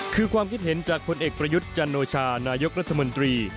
คือความคิดเห็นจากผลเอกประยุทธ์จันโอชานายกรัฐมนตรี